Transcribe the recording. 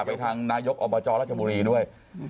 ไปทางนายกอบจรัชบุรีด้วย